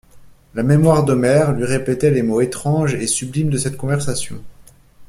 La mémoire d'Omer lui répétait les mots étranges et sublimes de cette conversation.